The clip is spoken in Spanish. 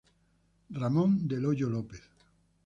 Ramón del Hoyo López.